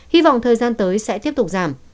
hy vọng thời gian tới sẽ tiếp tục giảm